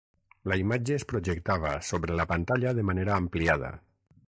La imatge es projectava sobre la pantalla de manera ampliada.